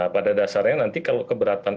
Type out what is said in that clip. pada dasarnya nanti kalau keberatan